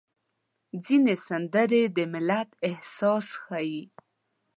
ځینې سندرې د ملت احساس ښيي.